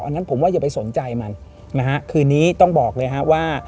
นั้นผมว่าอย่าไปสนใจมันนะฮะคืนนี้ต้องบอกเลยฮะว่า